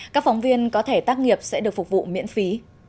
các phóng viên có thể tác nghiệp sẽ được phục vụ miễn phí